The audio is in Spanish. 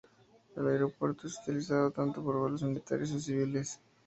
El aeropuerto es utilizado tanto por vuelos militares o civiles.